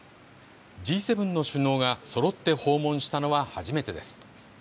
Ｇ７の首脳がそろって訪問したのは初めてです。